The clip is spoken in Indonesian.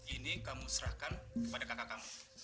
ini kamu serahkan kepada kakak kami